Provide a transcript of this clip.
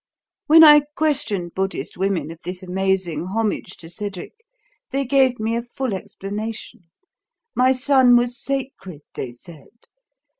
"When I questioned Buddhist women of this amazing homage to Cedric, they gave me a full explanation. My son was sacred, they said.